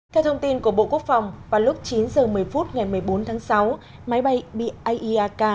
theo thông tin của bộ quốc phòng vào lúc chín h một mươi phút ngày một mươi bốn tháng sáu máy bay biak năm mươi hai